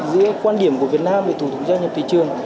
giữa quan điểm của việt nam về thủ tục gia nhập thị trường